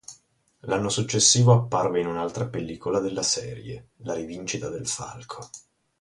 L'anno successivo apparve in un'altra pellicola della serie, "La rivincita del falco".